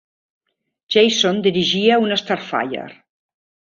Jason dirigia una "Starfire".